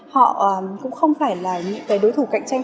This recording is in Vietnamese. họ cũng không phải là những cái đối thủ cạnh tranh